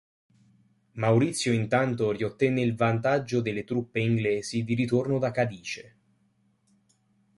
Maurizio intanto riottenne il vantaggio delle truppe inglesi di ritorno da Cadice.